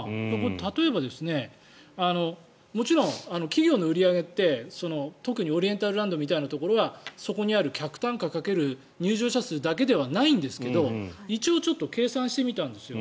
例えばもちろん企業の売り上げって特にオリエンタルランドみたいなところはそこにある客単価掛ける入場者数だけではないんですが一応、計算してみたんですよ。